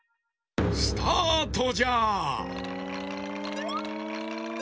スタートじゃ！